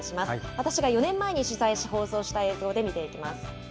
私が４年前に取材し、放送した映像で見ていきます。